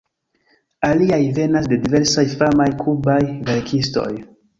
Aliaj venas de diversaj famaj kubaj verkistoj.